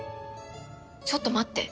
ちょっと待って。